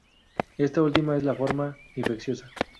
Esta última es la forma infecciosa.